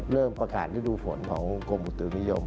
เริ่มประกาศฤดูฝนของกรมอุตุนิยม